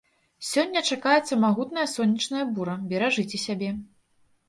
Сёння чакаецца магутная сонечная бура, беражыце сябе!